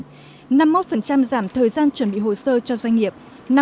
năm mươi một giảm thời gian chuẩn bị hồ sơ cho doanh nghiệp